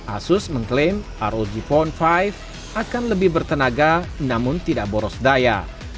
asus mengklaim rog phone lima akan lebih bertenaga namun tidak boros daya